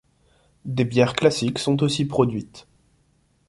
Des bières classiques sont aussi produites.